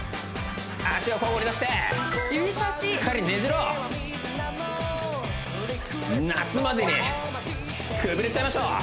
脚を交互に出してしっかりねじろう夏までにくびれちゃいましょう！